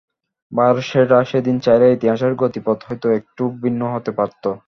ভারত সেটা সেদিন চাইলে ইতিহাসের গতিপথ হয়তো একটু ভিন্ন হতে পারত।